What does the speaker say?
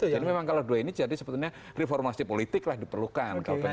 jadi memang kalau dua ini jadi sebetulnya reformasi politik lah diperlukan